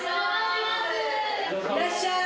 いらっしゃい。